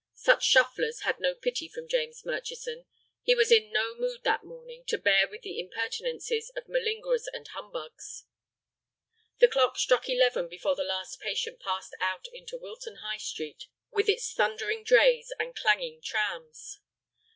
Such shufflers had no pity from James Murchison. He was in no mood that morning to bear with the impertinences of malingerers and humbugs. The clock struck eleven before the last patient passed out into Wilton High Street with its thundering drays and clanging trams.